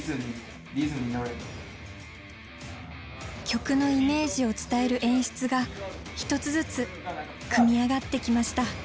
曲のイメージを伝える演出が一つずつ組み上がってきました。